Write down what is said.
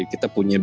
ini sudah di dalam